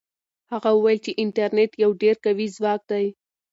هغه وویل چې انټرنيټ یو ډېر قوي ځواک دی.